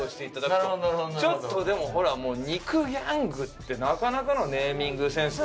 ちょっとでもほらもう肉ギャングってなかなかのネーミングセンス。